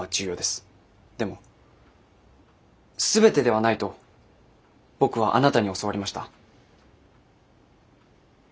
でも全てではないと僕はあなたに教わりました。